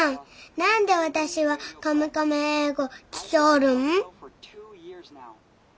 何で私は「カムカム英語」聴きょおるん？